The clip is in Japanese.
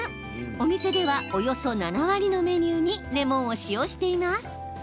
お店では約７割のメニューにレモンを使用しています。